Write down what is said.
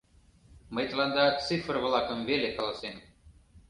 Мый тыланда цифр-влакым веле каласем.